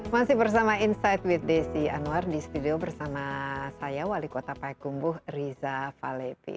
masih bersama insight with desi anwar di studio bersama saya wali kota payakumbuh riza falepi